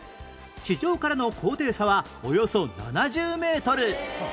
地上からの高低差はおよそ７０メートル